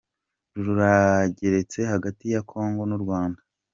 Rurageretse hagati ya congo n’urwanda